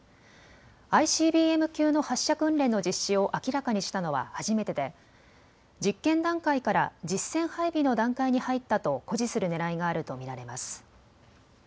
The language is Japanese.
ＩＣＢＭ級の発射訓練の実施を明らかにしたのは初めてで実験段階から実戦配備の段階に入ったと誇示するねらいがあると見られます。